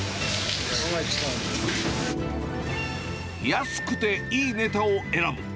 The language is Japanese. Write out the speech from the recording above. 安くていいネタを選ぶ。